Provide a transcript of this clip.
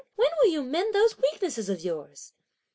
when will you mend those weaknesses of yours!"